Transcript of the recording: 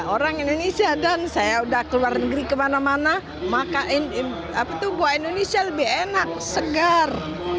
orang indonesia dan saya sudah ke luar negeri kemana mana maka buah indonesia lebih enak segar